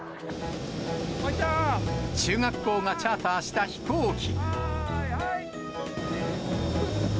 中学校がチャーターした飛行機。